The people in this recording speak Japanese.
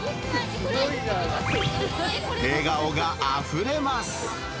笑顔があふれます。